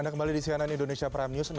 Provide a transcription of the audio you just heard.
anda kembali di cnn indonesia prime news